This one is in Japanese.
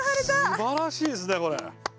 すばらしいですねこれ。